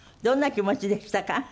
どんな気持ちでしたか？